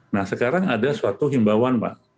nah sekarang ada suatu himbauan pak